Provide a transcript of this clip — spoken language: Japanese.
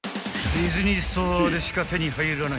［ディズニーストアでしか手に入らない